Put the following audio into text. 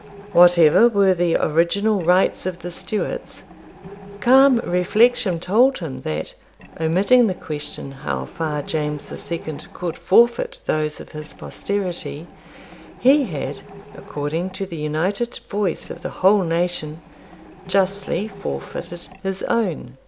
Whatever were the original rights of the Stuarts, calm reflection told him that, omitting the question how far James the Second could forfeit those of his posterity, he had, according to the united voice of the whole nation, justly forfeited his own.